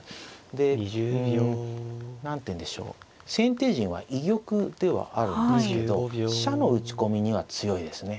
でうん何ていうんでしょう先手陣は居玉ではあるんですけど飛車の打ち込みには強いですね。